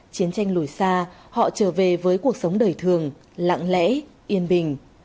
chiến tranh lùi xa họ trở về với cuộc sống đời thường lặng lẽ yên bình